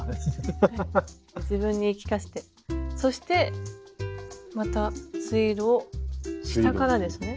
そしてまたツイードを下からですね。